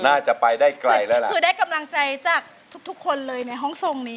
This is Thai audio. น่าจะไปได้ไกลแล้วล่ะคือได้กำลังใจจากทุกทุกคนเลยในห้องทรงนี้